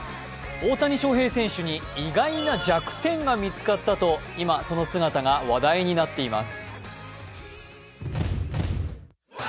大谷翔平選手に意外な弱点が見つかったと今、その姿が話題になっています。